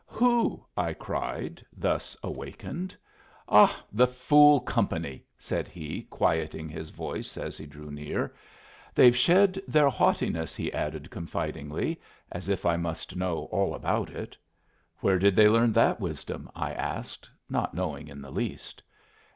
"Who?" I cried, thus awakened. "Ah, the fool company," said he, quieting his voice as he drew near. "They've shed their haughtiness," he added, confidingly, as if I must know all about it. "Where did they learn that wisdom?" I asked, not knowing in the least.